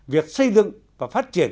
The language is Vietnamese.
việc xây dựng và phát triển